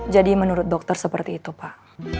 jadi menurut dokter seperti itu pak